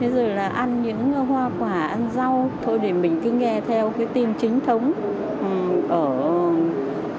rồi là ăn những hoa quả ăn rau thôi để mình cứ nghe theo cái tin chính thống